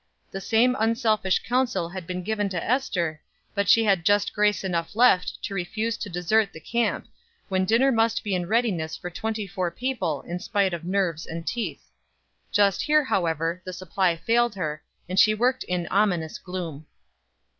The same unselfish counsel had been given to Ester, but she had just grace enough left to refuse to desert the camp, when dinner must be in readiness for twenty four people in spite of nerves and teeth. Just here, however, the supply failed her, and she worked in ominous gloom.